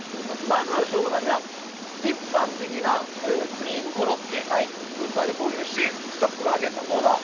まず、省吾さんには一般的なクリームコロッケスーパーで購入しスタッフが揚げたもの。